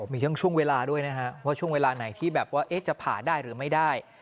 มีช่วงเวลาด้วยนะฮะว่าช่วงเวลาไหนที่แบบว่าจะผ่าได้หรือไม่ได้